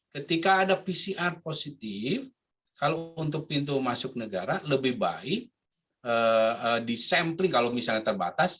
ketika ada pcr positif kalau untuk pintu masuk negara lebih baik disampling kalau misalnya terbatas